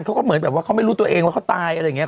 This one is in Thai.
เขาก็เหมือนแบบว่าเขาไม่รู้ตัวเองว่าเขาตายอะไรอย่างนี้